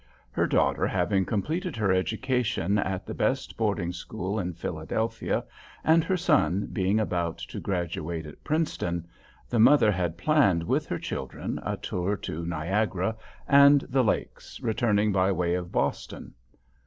Her daughter having completed her education at the best boarding school in Philadelphia, and her son being about to graduate at Princeton, the mother had planned with her children a tour to Niagara and the lakes, returning by way of Boston.